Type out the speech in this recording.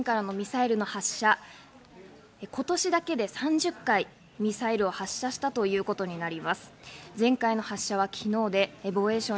今年の北朝鮮からのミサイルの発射、今年だけで３０回、ミサイルを発射したということになります。